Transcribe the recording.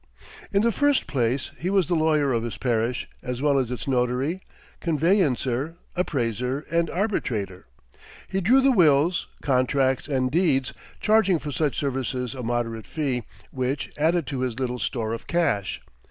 In the first place, he was the lawyer of his parish, as well as its notary, conveyancer, appraiser, and arbitrator. He drew the wills, contracts, and deeds, charging for such services a moderate fee, which added to his little store of cash.